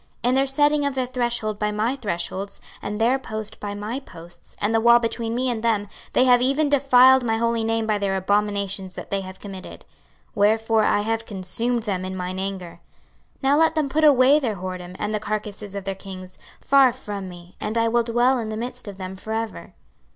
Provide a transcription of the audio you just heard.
26:043:008 In their setting of their threshold by my thresholds, and their post by my posts, and the wall between me and them, they have even defiled my holy name by their abominations that they have committed: wherefore I have consumed them in mine anger. 26:043:009 Now let them put away their whoredom, and the carcases of their kings, far from me, and I will dwell in the midst of them for ever.